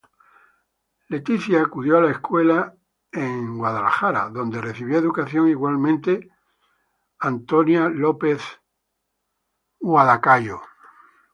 Letitia acudió a una escuela en Chelsea donde recibió educación igualmente Mary Russell Mitford.